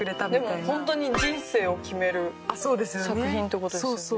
でもホントに人生を決める作品って事ですよね。